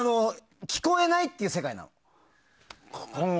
聞こえないっていう世界なの今後。